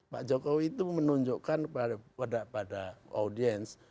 pak jokowi itu menunjukkan pada audiens